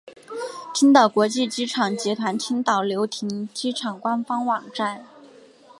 青岛国际机场集团青岛流亭机场官方网站